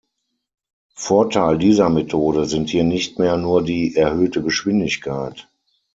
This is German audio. Vorteil dieser Methode sind hier nicht mehr nur die erhöhte Geschwindigkeit.